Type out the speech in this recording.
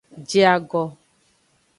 Je ago.